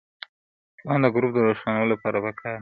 توان د ګروپ د روښانولو لپاره پکار دی.